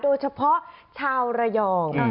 โดยเฉพาะชาวระยอง